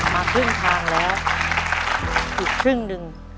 มาครึ่งทางแล้วอีกครึ่งหนึ่ง